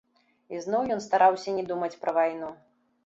І зноў ён стараўся не думаць пра вайну.